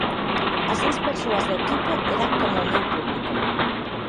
As seis persoas do equipo eran como o meu público.